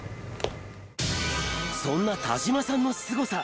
そんな田島さんのスゴさ